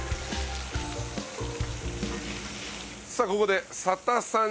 さあここで佐田さん